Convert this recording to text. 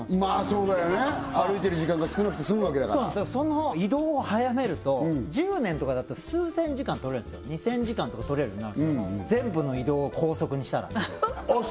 そうだよね歩いてる時間が少なくて済むわけだからその移動を早めると１０年とかだと数千時間とれるんですよ２０００時間とかとれるようになる全部の移動を高速にしたらあっ